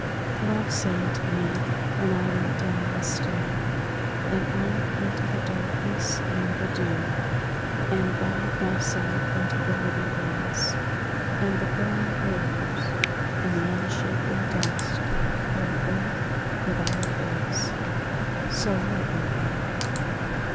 _Love sang to me. And I went down the stair, And out into the darkness and the dew; And bowed myself unto the little grass, And the blind herbs, and the unshapen dust Of earth without a face. So let me be.